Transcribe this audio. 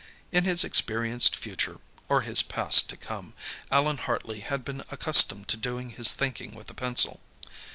In his experienced future or his past to come Allan Hartley had been accustomed to doing his thinking with a pencil.